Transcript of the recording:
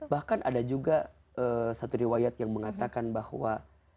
bahkan ada juga satu riwayat yang mengatakan bahwa